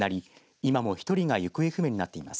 今も１人が行方不明になっています。